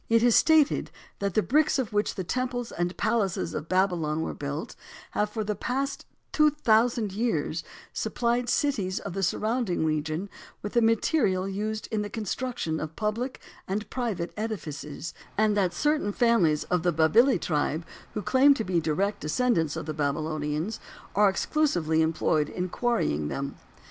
It is stated that the bricks of which the temples and palaces of Babylon were built, have for the past two thousand years supplied cities of the surrounding region with the material used in the construction of public and private edifices, and that certain families of the Babili tribe, who claim to be direct descendants of the Babylonians, are exclusively employed in quarrying them.